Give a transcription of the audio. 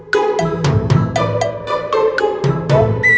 kalau kita rampa